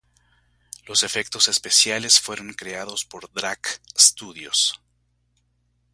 Los efectos especiales fueron creados por Drac Studios.